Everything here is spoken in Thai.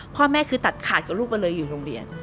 พ่อแม่คือตัดขาดกับลูกมาเลยอยู่โรงเรียน